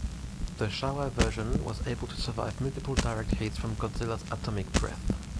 The Showa version was able to survive multiple direct hits from Godzilla's atomic breath.